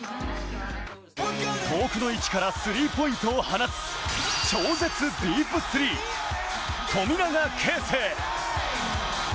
遠くの位置からスリーポイントを放つ超絶ディープスリー、富永啓生！